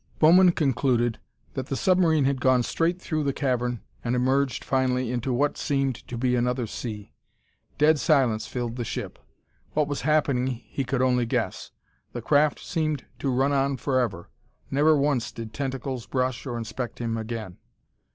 Bowman concluded that the submarine had gone straight through the cavern and emerged finally into what seemed to be another sea. Dead silence filled the ship. What was happening, he could only guess. The craft seemed to run on forever. Never once did tentacles brush or inspect him again.